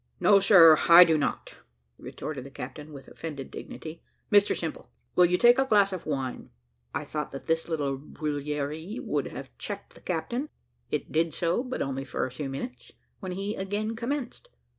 "No, sir, I do not," retorted the captain, with offended dignity. "Mr Simple, will you take a glass of wine?" I thought that this little brouillerie would have checked the captain; it did so, but only for a few minutes, when he again commenced.